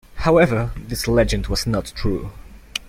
However, this legend was not true.